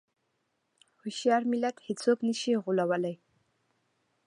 هوښیار ملت هېڅوک نه شي غولوی.